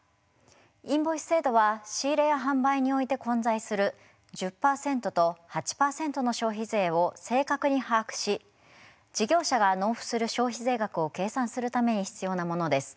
インボイス制度は仕入れや販売において混在する１０％と８％の消費税を正確に把握し事業者が納付する消費税額を計算するために必要なものです。